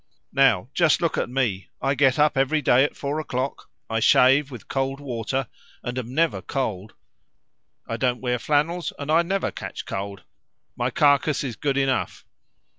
Now just look at me. I get up every day at four o'clock; I shave with cold water (and am never cold). I don't wear flannels, and I never catch cold; my carcass is good enough!